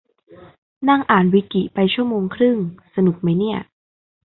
นั่งอ่านวิกิไปชั่วโมงครึ่ง สนุกมั้ยเนี่ย